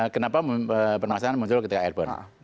kenapa permasalahan muncul ketika airborne